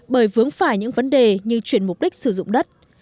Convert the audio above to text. bởi vướng phải những vấn đề như chuyển mục đích sử dụng đất